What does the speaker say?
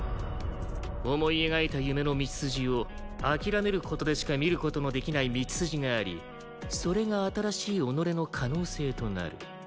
思い描いた夢の道筋を諦める事でしか見る事のできない道筋がありそれが新しい己の可能性となる。